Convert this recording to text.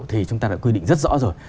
thì chúng ta đã quy định rất rõ rồi